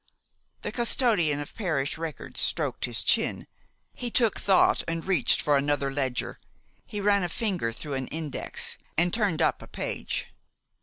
The custodian of parish records stroked his chin. He took thought, and reached for another ledger. He ran a finger through an index and turned up a page.